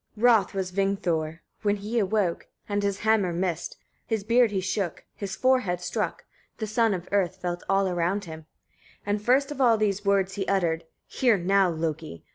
1. Wroth was Vingthor, when he awoke, and his hammer missed; his beard he shook, his forehead struck, the son of earth felt all around him; 2. And first of all these words he uttered: "Hear now, Loki!